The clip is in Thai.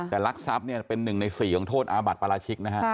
แต่รักทรัพย์เป็น๑ใน๔ของโทษอาบัดปรชิกนะครับ